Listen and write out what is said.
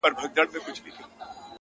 زما د سرڅښتنه اوس خپه سم که خوشحاله سم ـ